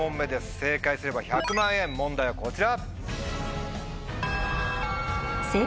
正解すれば１００万円問題はこちら。